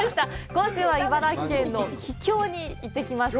今週は茨城県の秘境に行ってきました。